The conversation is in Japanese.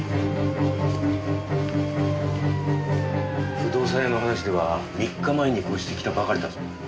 不動産屋の話では３日前に越してきたばかりだそうです。